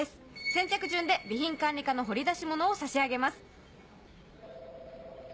先着順で備品管理課の掘り出し物を差し上げます」。